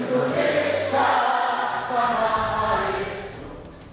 di indonesia para mahali